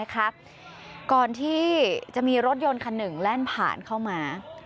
ก่อนที่จะมีรถยนต์คันหนึ่งแล่นผ่านเข้ามา